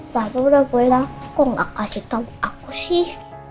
papa udah pulang kok gak kasih tau aku sih